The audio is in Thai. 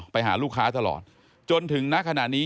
ไปหาลูกค้าตลอดจนถึงณขณะนี้